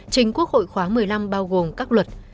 trình quốc hội khóa một mươi năm bao gồm các luật